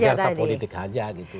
iya gertak politik saja gitu